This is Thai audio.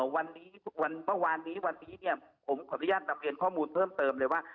วันนี้ทุกวันเมื่อวานนี้วันนี้เนี่ยผมขออนุญาตนำเรียนข้อมูลเพิ่มเติมเลยว่า